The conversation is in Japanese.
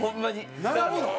並ぶの？